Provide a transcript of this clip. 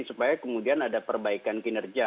supaya kemudian ada perbaikan kinerja